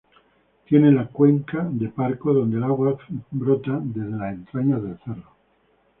Tiene la cuenca de Parco, donde el agua brota desde las entrañas del cerro.